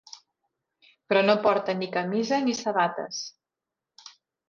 Però no porta ni camisa ni sabates.